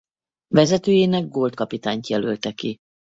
Vezetőjének Gault kapitányt jelölte ki.